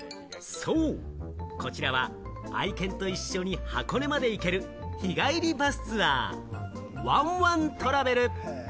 こちらは愛犬と一緒に箱根まで行ける日帰りバスツアー、わんわんトラベル。